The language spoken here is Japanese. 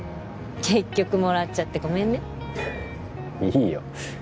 結局もらっちゃってごめんねいいよ